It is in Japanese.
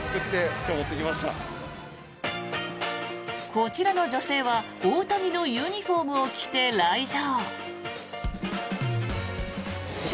こちらの女性は大谷のユニホームを着て来場。